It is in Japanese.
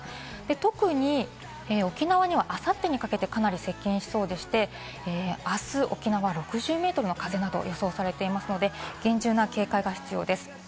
特に沖縄にはあさってにかけてかなり接近しそうでして、あす沖縄６０メートルの風など予想されていますので、厳重な警戒が必要です。